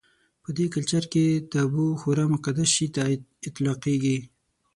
په دې کلچر کې تابو خورا مقدس شي ته اطلاقېږي.